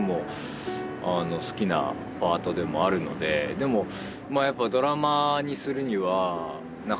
でもまあやっぱ。